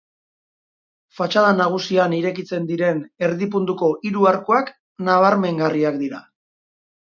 Fatxada nagusian irekitzen diren erdi-puntuko hiru arkuak nabarmengarriak dira.